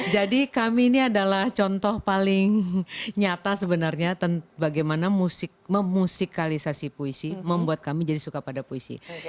jadi kami ini adalah contoh paling nyata sebenarnya bagaimana musikalisasi puisi membuat kami jadi suka pada puisi